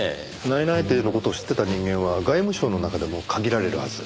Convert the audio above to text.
内々定の事を知ってた人間は外務省の中でも限られるはず。